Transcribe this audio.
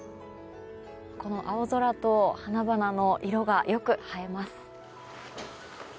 この青空と花々の色がよく映えます。